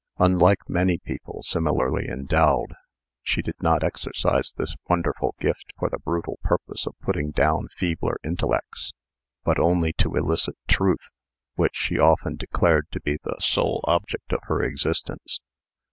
Unlike many people similarly endowed, she did not exercise this wonderful gift for the brutal purpose of putting down feebler intellects, but only to elicit TRUTH, which she often declared to be the sole object of her existence.